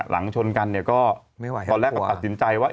หลังชนกันก็ตอนแรกตัดสินใจว่า